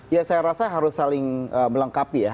ya saya rasa harus saling melengkapi ya